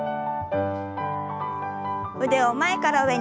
腕を前から上に。